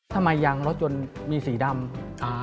ทำไมยังรถยนต์มีสีดำ